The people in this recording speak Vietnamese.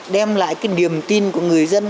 đem lại cái niềm tin của người dân